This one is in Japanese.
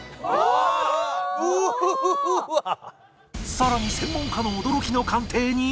さらに専門家の驚きの鑑定に